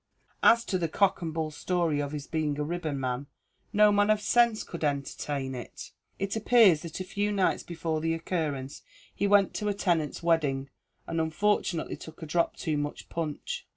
As to the cock and bull story of his being a ribbonman, no man of sense could entertain it. It appears that a few nights before the occurrence he went to a tenant's wedding, and unfortunately took a drop too much punch.